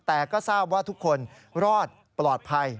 แต่ก็ทราบว่าทุกคนรอดปลอดภัย